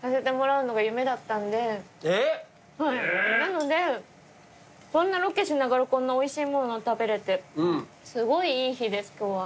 なのでこんなロケしながらこんなおいしいものを食べれてすごいいい日です今日は。